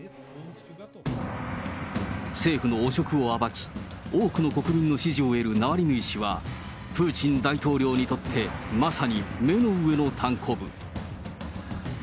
政府の汚職を暴き、多くの国民の支持を得るナワリヌイ氏は、プーチン大統領にとって、まさに目の上のたんこぶ。